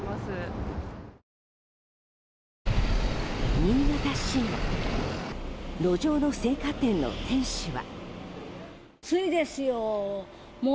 新潟市の路上の青果店の店主は。